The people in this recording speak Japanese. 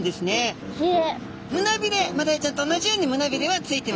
胸びれマダイちゃんと同じように胸びれはついてます。